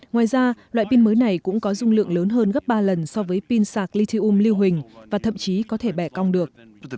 ngoài ra loại pin mới này cũng có dung lượng lớn hơn gấp ba lần so với pin sạc lithium lưu hình và thậm chí có thể bẻ cong được